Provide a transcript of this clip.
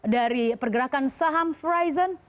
dari pergerakan saham verizon